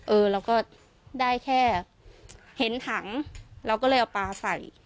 เออเราก็ได้แค่เห็นถังเราก็เลยเอาปลาใส่